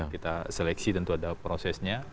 kita seleksi tentu ada prosesnya